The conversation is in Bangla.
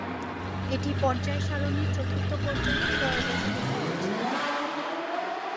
এটি পর্যায় সারণীর চতুর্থ পর্যায়ে, ত্রয়োদশ গ্রুপে অবস্থিত।